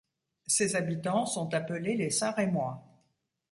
Ses habitants sont appelés les Saint-Rémois.